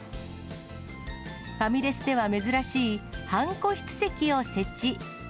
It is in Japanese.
ファミレスでは珍しい、半個室席を設置。